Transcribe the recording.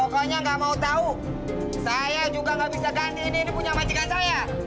pokoknya nggak mau tahu saya juga nggak bisa ganti ini punya majikan saya